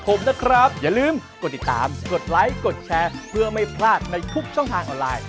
กดไลค์กดแชร์เพื่อไม่พลาดในทุกช่องทางออนไลน์